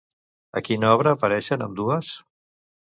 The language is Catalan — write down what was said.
A quina obra apareixen ambdues?